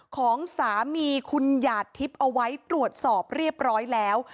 ของสามีคุณหยาดทิพย์เอาไว้ตรวจสอบเรียบร้อยแล้ว